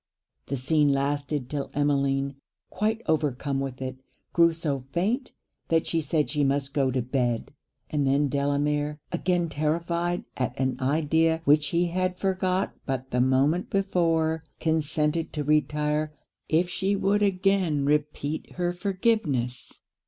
The scene lasted till Emmeline, quite overcome with it, grew so faint that she said she must go to bed; and then Delamere, again terrified at an idea which he had forgot but the moment before, consented to retire if she would again repeat her forgiveness.